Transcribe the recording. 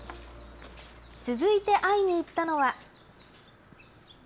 続いて会いに行ったのは。